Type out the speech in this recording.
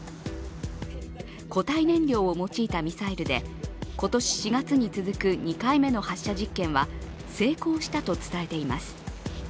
固体燃料を用いたミサイルで、今年４月に続く２回目の発射実験は成功したと伝えています。